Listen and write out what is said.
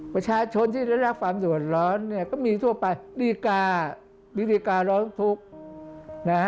ประชาชนที่รักษาความดูดร้อนก็มีทั่วไปดีการ้องทุกข์